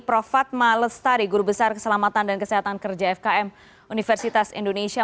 prof fatma lestari guru besar keselamatan dan kesehatan kerja fkm universitas indonesia